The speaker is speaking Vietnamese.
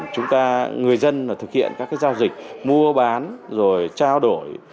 chúng ta người dân mà thực hiện các cái giao dịch mua bán rồi trao đổi